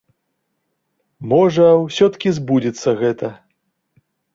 Можа, усё-ткі збудзецца гэта.